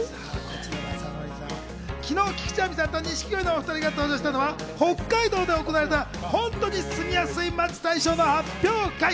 昨日、菊地亜美さんと錦鯉のお２人が登場したのは、北海道で行われた、本当に住みやすい街大賞の発表会。